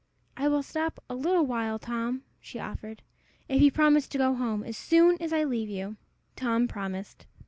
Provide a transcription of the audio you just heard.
"I will stop a little while, Tom," she offered, "if you will promise to go home as soon as I leave you." Tom promised.